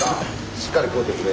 しっかり食うてくれ。